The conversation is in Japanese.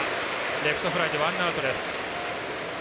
レフトフライでワンアウトです。